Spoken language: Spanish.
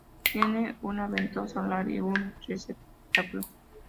Tiene una ventosa oral y un receptáculo.